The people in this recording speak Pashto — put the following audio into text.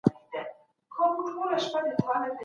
ډیپلوماسي باید د شخړو د سوله ییز حل لاره وي.